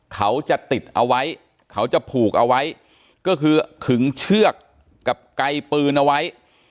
เขาจะติดเอาไว้เขาจะผูกเอาไว้ก็คือขึงเชือกกับไกลปืนเอาไว้